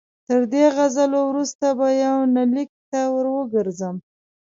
تر دې غزلو وروسته به یونلیک ته ور وګرځم.